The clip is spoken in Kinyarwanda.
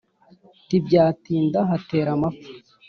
Ntibyatinda hatera amapfa